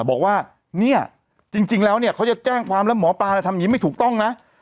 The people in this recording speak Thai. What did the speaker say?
บอกว่าเนี่ยจริงแล้วเนี่ยเขาจะแจ้งความแล้วหมอปลาทำอย่างนี้ไม่ถูกต้องนะ